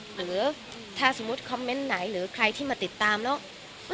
หรือถ้าสมมุติคอมเมนต์ไหนหรือใครที่มาติดตามแล้ว